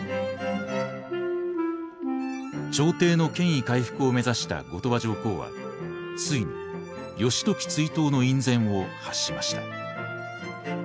朝廷の権威回復を目指した後鳥羽上皇はついに義時追討の院宣を発しました。